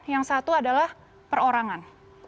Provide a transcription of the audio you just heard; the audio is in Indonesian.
yang satu adalah perorangan